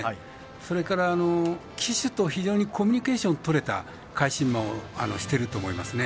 それから、騎手と非常にコミュニケーションがとれた返し馬をしていると思いますね。